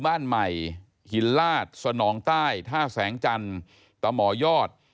บ้านใหม่หินลาดสนองใต้ท่าแสงจันทร์ตะหมอยอด